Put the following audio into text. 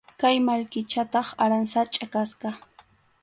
Kay mallkichataq aransachʼa kasqa.